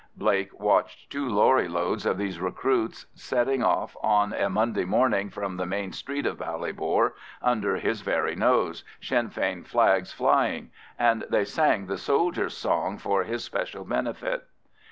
Blake watched two lorry loads of these recruits setting off on a Monday morning from the main street of Ballybor under his very nose, Sinn Fein flags flying; and they sang the "Soldier's Song" for his special benefit.